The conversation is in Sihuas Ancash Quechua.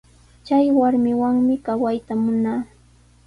Chay warmiwanmi kawayta munaa.